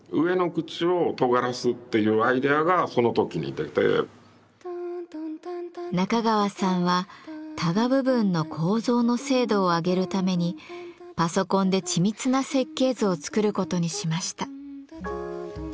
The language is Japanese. だから中川さんはたが部分の構造の精度を上げるためにパソコンで緻密な設計図を作ることにしました。